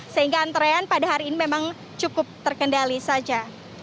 sehingga antrean pada hari ini memang cukup terkendali saja